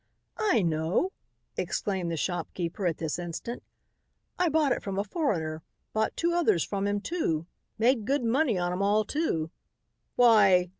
"I know!" exclaimed the shopkeeper at this instant, "I bought it from a foreigner. Bought two others from him, too. Made good money on 'em all, too. Why!"